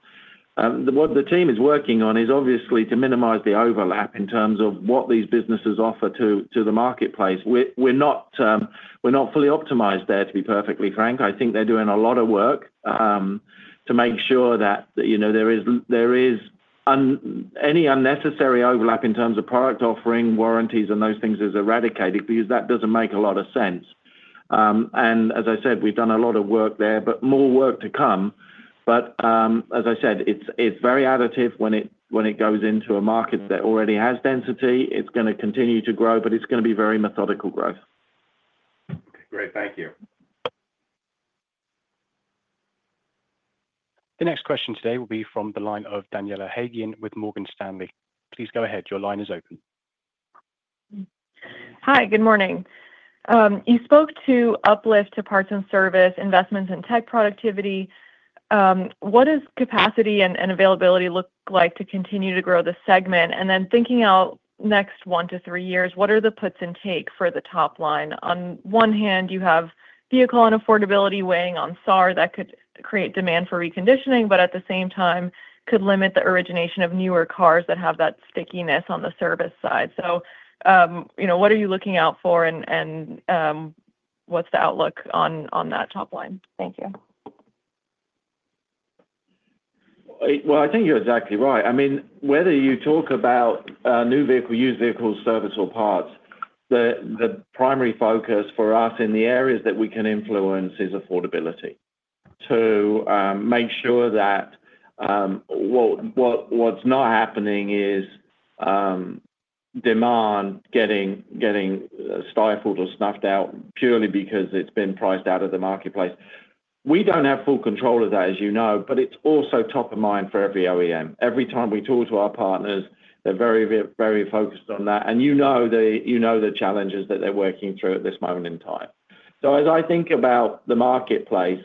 Speaker 3: What the team is working on is obviously to minimize the overlap in terms of what these businesses offer to the marketplace. We're not fully optimized there to be perfectly frank. I think they're doing a lot of work to make sure that there is any unnecessary overlap in terms of product offering warranties and those things is eradicated because that doesn't make a lot of sense. And as I said, we've done a lot of work there, but more work to come. But as I said, it's very additive when it goes into a market that already has density. It's going to continue to grow, but it's going to be very methodical growth.
Speaker 7: Great. Thank you.
Speaker 1: The next question today will be from the line of Daniela Hagian with Morgan Stanley. Please go ahead. Your line is open.
Speaker 9: Hi, good morning. You spoke to uplift to parts and service investments in tech productivity. What does capacity and availability look like to continue to grow the segment? And then thinking out next one to three years, what are the puts and takes for the top line? On one hand, you have vehicle and affordability weighing on SAR that could create demand for reconditioning, but at the same time could limit the origination of newer cars that have that stickiness on the service side. So what are you looking out for? And what's the outlook on that top line?
Speaker 3: Well, think you're exactly right. I mean, whether you talk about new vehicle, used vehicle service or parts, the primary focus for us in the areas that we can influence is affordability. To make sure that what's not happening is demand getting stifled or snuffed out purely because it's been priced out of the marketplace. We don't have full control of that as you know, but it's also top of mind for every OEM. Every time we talk to our partners, they're very, very focused on that. And you know the challenges that they're working through at this moment in time. So as I think about the marketplace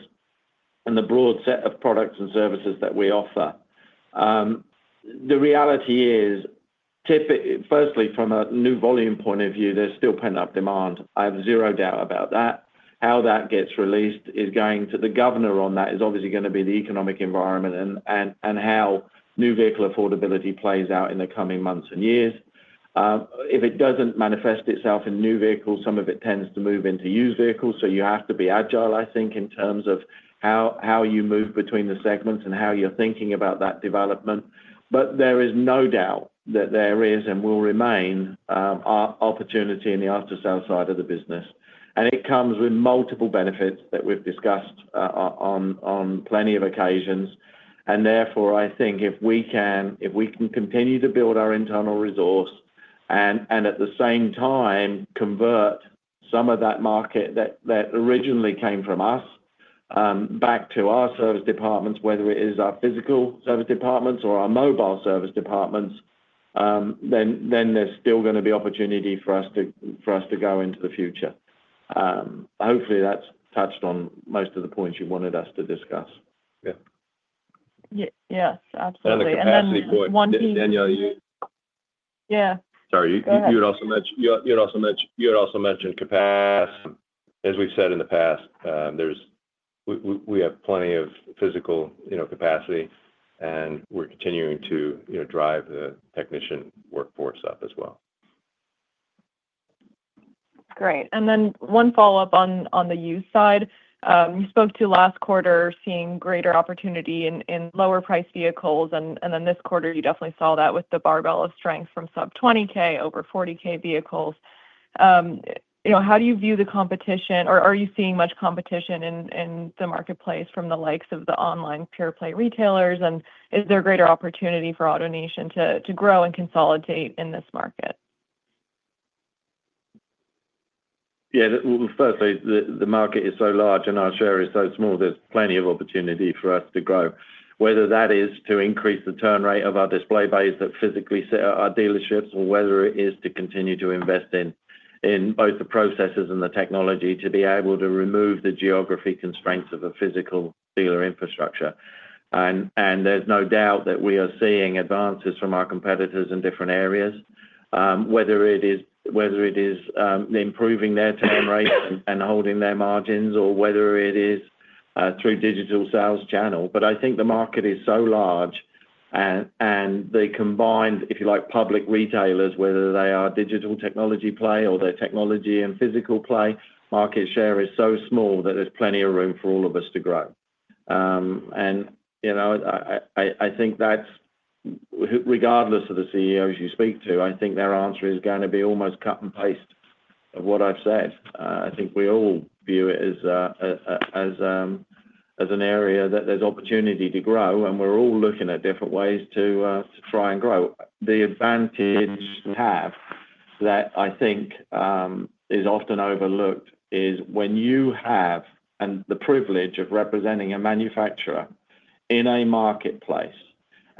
Speaker 3: and the broad set of products and services that we offer, the reality is firstly from a new volume point of view, there's still pent up demand. I have zero doubt about that. How that gets released is going to the governor on that is obviously going to be the economic environment and how new vehicle affordability plays out in the coming months and years. If it doesn't manifest itself in new vehicles, some of it tends to move into used vehicles. So you have to be agile I think in terms of how you move between the segments and how you're thinking about that development. But there is no doubt that there is and will remain opportunity in the after sales side of the business. And it comes with multiple benefits that we've discussed on plenty of occasions. And therefore, I think if we can continue to build our internal resource and at the same time convert some of that market that originally came from us back to our service departments whether it is our physical service departments or our mobile service departments then there's still going to be opportunity for us to go into the future. Hopefully, that's touched on most of the points you wanted us to discuss.
Speaker 4: Absolutely. Then one Danielle, thing you
Speaker 9: Yeah.
Speaker 4: Sorry. You had also mentioned had also mentioned capacity. As we've said in the past, there's we we we have plenty of physical, you know, capacity, and we're continuing to, you know, drive the technician workforce up as well.
Speaker 9: Great. And then one follow-up on the used side. You spoke to last quarter seeing greater opportunity in lower priced vehicles. And then this quarter, you definitely saw that with the barbell of strength from sub-twenty ks over 40 ks vehicles. How do you view the competition? Or are you seeing much competition in the marketplace from the likes of the online pure play retailers? And is there a greater opportunity for AutoNation to grow and consolidate in this market?
Speaker 3: Yes. Firstly, the market is so large and our share is so small. There's plenty of opportunity for us to grow, whether that is to increase the turn rate of our display base that physically set our dealerships or whether it is to continue to invest in both the processes and the technology to be able to remove the geography constraints of a physical dealer infrastructure. And there's no doubt that we are seeing advances from our competitors in different areas. Whether it is improving their term rates and holding their margins or whether it is through digital sales channel. But I think the market is so large and they combined, if you like public retailers, whether they are digital technology play or their technology and physical play, market share is so small that there's plenty of room for all of us to grow. And I think that's regardless of the CEOs you speak to, I think their answer is going to be almost cut and paste of what I've said. I think we all view it as an area that there's opportunity to grow and we're all looking at different ways to try and grow. The advantage we have that I think is often overlooked is when you have the privilege of representing a manufacturer in a marketplace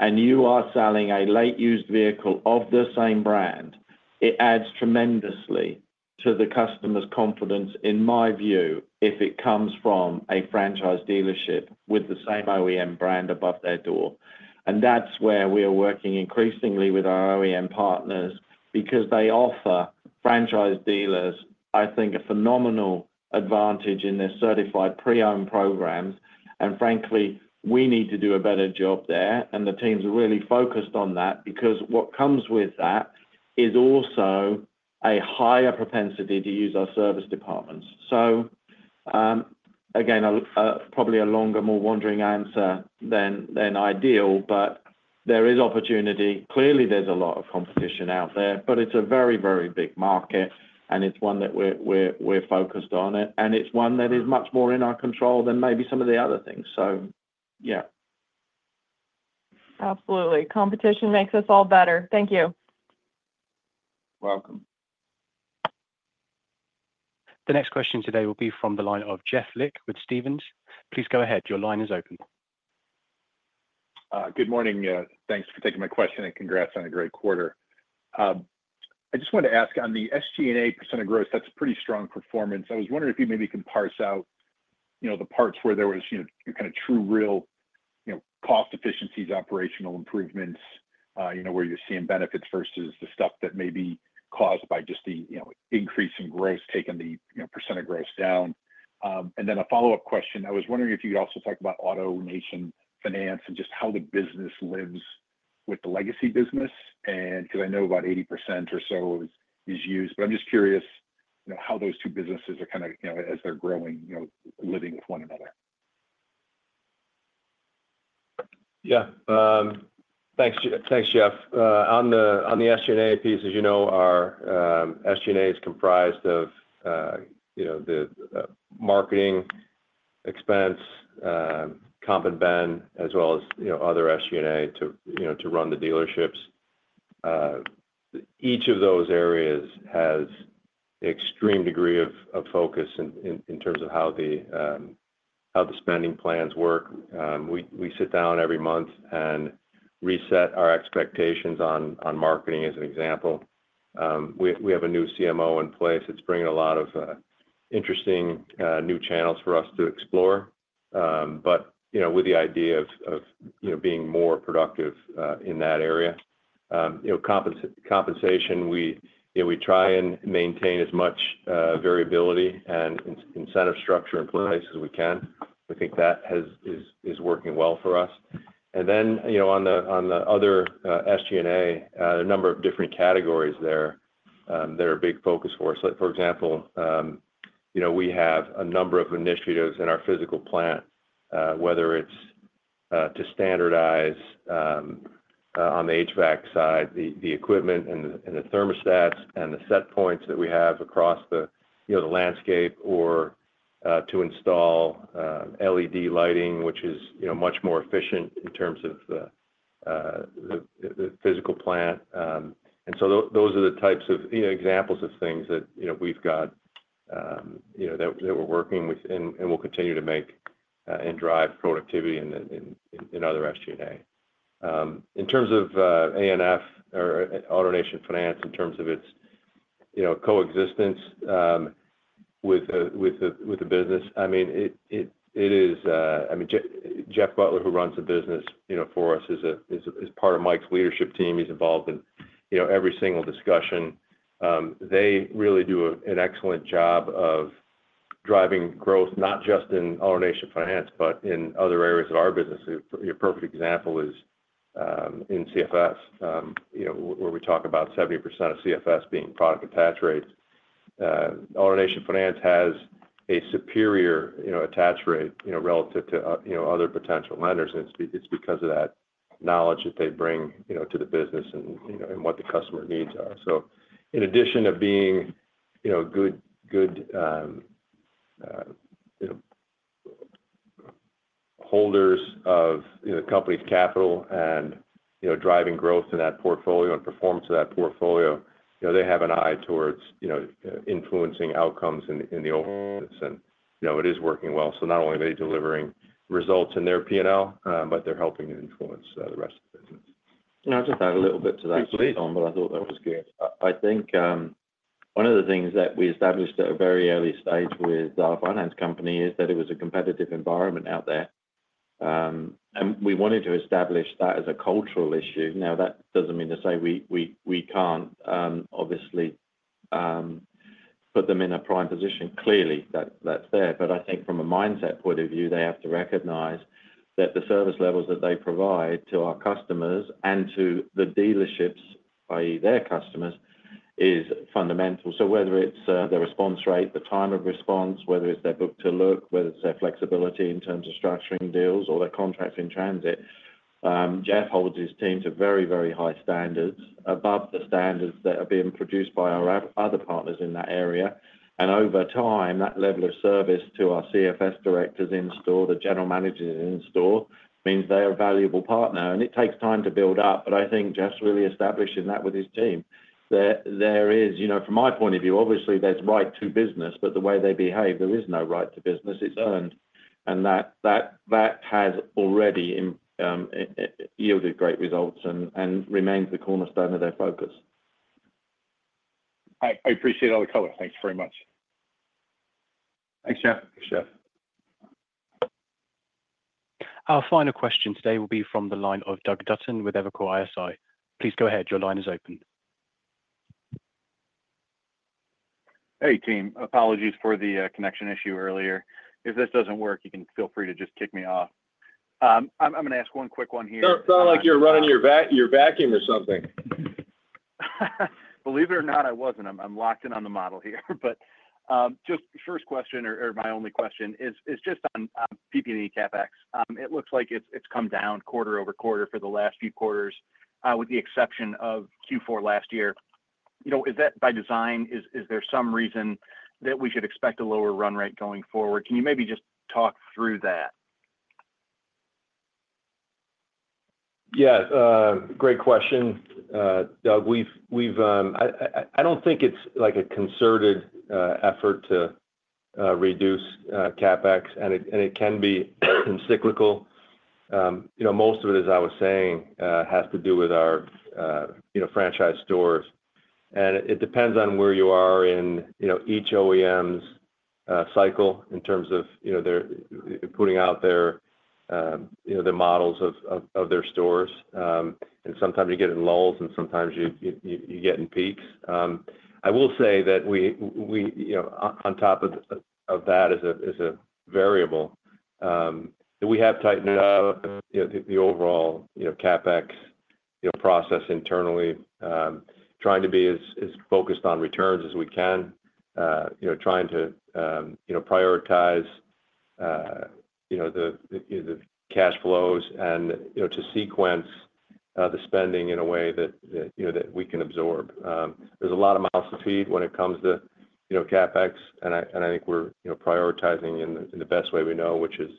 Speaker 3: and you are selling a late used vehicle of the same brand, it adds tremendously to the customer's confidence in my view if it comes from a franchise dealership with the same OEM brand above their door. And that's where we are working increasingly with our OEM partners because they offer franchise dealers, I think, a phenomenal advantage in their certified pre owned programs. And frankly, we need to do a better job there and the team's really focused on that because what comes with that is also a higher propensity to use our service departments. So again, probably a longer more wandering answer than ideal, but there is opportunity. Clearly, there's a lot of competition out there, but it's a very, very big market and it's one that we're focused on and it's one that is much more in our control than maybe some of the other things. Yeah.
Speaker 9: Absolutely. Competition makes us all better. Thank you.
Speaker 4: Welcome.
Speaker 1: The next question today will be from the line of Jeff Licht with Stephens. Please go ahead. Your line is open.
Speaker 10: Good morning. Thanks for taking my question and congrats on a great quarter. I just wanted to ask on the SG and A percent of growth, that's a pretty strong performance. I was wondering if you maybe can parse out the parts where there was kind of true real cost efficiencies, operational improvements, where you're seeing benefits versus the stuff that may be caused by just the increase in gross, taking the percent of gross down? And then a follow-up question. I was wondering if you could also talk about AutoNation Finance and just how the business lives with the legacy business? And because I know about 80% or so is used. But I'm just curious how those two businesses are kind of as they're growing, living with one another.
Speaker 4: Yeah. Thanks thanks, Jeff. On the on the SG and A piece, as you know, our, SG and A is comprised of, you know, the marketing expense, comp and ben, as well as, you know, other SG and A to, you know, to run the dealerships. Each of those areas has extreme degree of focus in in terms of how the spending plans work. We sit down every month and reset our expectations on marketing as an example. We have a new CMO in place. It's bringing a lot of interesting new channels for us to explore. But, you know, with the idea of of, you know, being more productive in that area. You know, compensation, we, you know, we try and maintain as much variability and incentive structure in place as we can. We think that has is is working well for us. And then, you know, on the on the other, SG and A, there are number of different categories there. They're a big focus for us. Like, for example, you know, we have a number of initiatives in our physical plant, whether it's to standardize on the HVAC side, the equipment and thermostats and the set points that we have across the landscape or to install LED lighting, is, you know, much more efficient in terms of the physical plant. And so those are the types of, you know, examples of things that, you know, we've got, that we're working with and we'll continue to make and drive productivity in other SG and A. In terms of A and F AutoNation Finance in terms of its coexistence with the with the with the business. I mean, it it it is I mean, Jeff Butler who runs the business, you know, for us is a is a is part of Mike's leadership team. He's involved in, you know, every single discussion. They really do an excellent job of driving growth not just in AutoNation Finance, but in other areas of our business. A perfect example is in CFS, where we talk about 70% of CFS being product attach rates. AutoNation Finance has a superior attach rate relative to other potential lenders and it's because of that knowledge that they bring to the business and what the customer needs are. So in addition to being good holders of the company's capital driving growth in that portfolio and performance of that portfolio, they have an eye towards influencing outcomes in the overall business and it is working well. So not only are they delivering results in their P and L, but they're helping to influence the rest of the business.
Speaker 3: And I'll just add a little bit to that, I but I thought that was think one of the things that we established at a very early stage with our finance company is that it was a competitive environment out there, and we wanted to establish that as a cultural issue. Now that doesn't mean to say we we we can't, obviously, put them in a prime position. Clearly, that's there. But I think from a mindset point of view, they have to recognize that the service levels that they provide to our customers and to the dealerships I. E, their customers is fundamental. So whether it's the response rate, the time of response, whether it's their book to look, whether it's their flexibility in terms of structuring deals or their contracts in transit, Jeff holds his team to very, very high standards above the standards that are being produced by our other partners in that area. And over time, that level of service to our CFS directors in store, the general managers in store means they are a valuable partner. And it takes time to build up, but I think Jeff's really establishing that with his team. There is from my point of view, obviously, there's right to business, but the way they behave, there is no right to business. It's earned. And that has already yielded great results and remains the cornerstone of their focus.
Speaker 10: I appreciate all the color. Thanks very much.
Speaker 4: Thanks, Geoff.
Speaker 3: Thanks, Geoff.
Speaker 1: Our final question today will be from the line of Doug Dutton with Evercore ISI. Please go ahead. Your line is open.
Speaker 7: Team. Apologies for the connection issue earlier. If this doesn't work, can feel free to just kick me off. Going to ask one quick one here.
Speaker 4: So it's not like you're running your vac your vacuum or something.
Speaker 7: Believe it or not, I wasn't. I'm I'm locked in on the model here. But just first question or or my only question is is just on PP and E CapEx. It looks like it's come down quarter over quarter for the last few quarters with the exception of Q4 last year. Is that by design? Is there some reason that we should expect a lower run rate going forward? Can you maybe just talk through that?
Speaker 4: Yes. Great question, Doug. We've I don't think it's like a concerted effort to reduce CapEx and it can be cyclical. Most of it as I was saying has to do with our franchise stores. And it depends on where you are in each OEM's cycle in terms of their putting out their models of their stores. And sometimes you get in lulls and sometimes you get in peaks. I will say that we on top of that is a variable. We have tightened up the overall CapEx process internally trying to be as focused on returns as we can, trying to prioritize the cash flows and to sequence the spending in a way that we can absorb. There's a lot of mouths to feed when it comes to CapEx and think we're, you know, prioritizing in the best way we know, which is,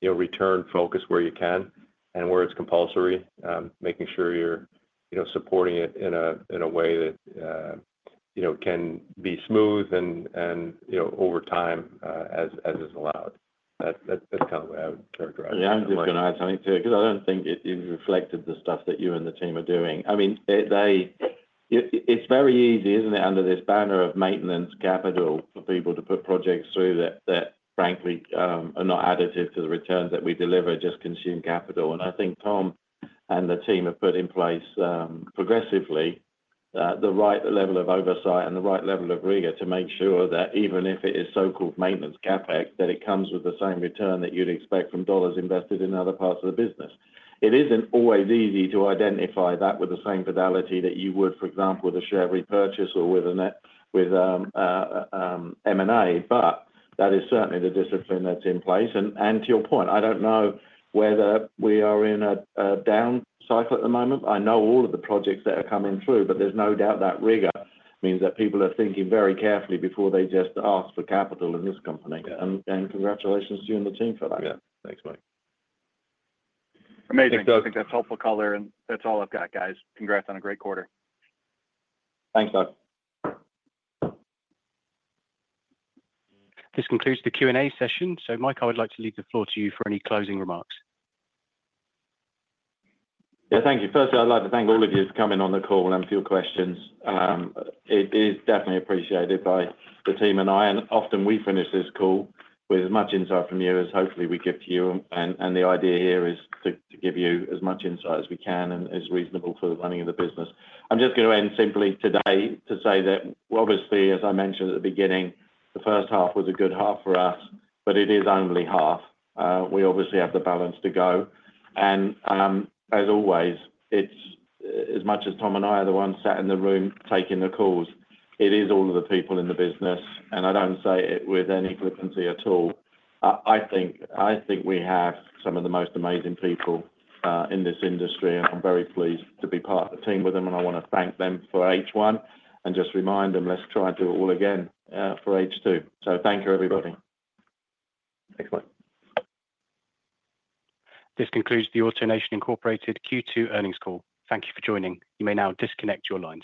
Speaker 4: you know, return focus where you can and where it's compulsory, making sure you're, you know, supporting it in a in a way that, you know, can be smooth and and, you know, over time as as is allowed. That that that's kind what I would characterize.
Speaker 3: Yeah. I'm just gonna add something to it because I don't think it it reflected the stuff that you and the team are doing. I mean, they it's very easy, isn't it, under this banner of maintenance capital for people to put projects through that that, frankly, are not additive to the returns that we deliver, just consume capital. And I think Tom and the team have put in place progressively the right level of oversight and the right level of rigor to make sure that even if it is so called maintenance CapEx that it comes with the same return that you'd expect from dollars invested in other parts of the business. It isn't always easy to identify that with the same fidelity that you would, for example, the share repurchase or with M and A, but that is certainly the discipline that's in place. And to your point, I don't know whether we are in a down cycle at the moment. I know all of the projects that are coming through, but there's no doubt that rigor means that people are thinking very carefully before they just ask for capital in this company. And congratulations to you and the team for that.
Speaker 4: Yes. Thanks, Mike.
Speaker 7: Amazing. Think that's helpful color and that's all I've got, guys. Congrats on a great quarter.
Speaker 3: Thanks, Doug.
Speaker 1: This concludes the Q and A session. So Mike, I would like to leave the floor to you for any closing remarks.
Speaker 3: Yes. Thank you. First, I'd like to thank all of you for coming on the call and for your questions. It is definitely appreciated by the team and I. And often, we finish this call with as much insight from you as hopefully we get to you. The idea here is to give you as much insight as we can and is reasonable for the running of the business. I'm just going to end simply today to say that, well, obviously, as I mentioned at the beginning, the first half was a good half for us, but it is only half. We obviously have the balance to go. And as always, it's as much as Tom and I are the ones sat in the room taking the calls, it is all of the people in the business, and I don't say it with any glibency at all. I think I think we have some of the most amazing people in this industry. I'm very pleased to be part of the team with them. And I want to thank them for H1 and just remind them, let's try to do it all again for H2. So thank you, everybody.
Speaker 1: Thanks, Mike. This concludes the AutoNation Incorporated Q2 earnings call. Thank you for joining. You may now disconnect your lines.